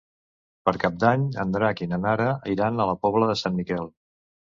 Per Cap d'Any en Drac i na Nara iran a la Pobla de Sant Miquel.